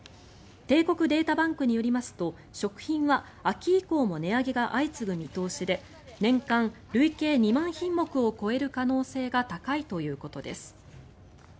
帝国データバンクによりますと食品は秋以降も値上げが相次ぐ見通しで年間累計２万品目を超える可能性が高いということです。